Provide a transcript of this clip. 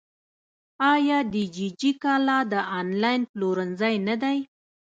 آیا دیجیجی کالا د انلاین پلورنځی نه دی؟